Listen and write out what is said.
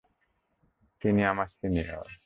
তিনি আমার সিনিয়র।